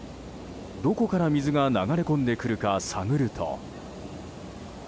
どこから水が流れ込んでくるか探ると。